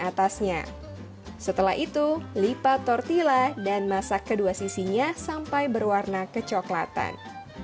atasnya setelah itu lipat tortilla dan masak kedua sisinya sampai berwarna kecoklatan